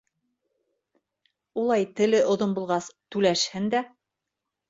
Улай теле оҙон булғас, түләшһен дә.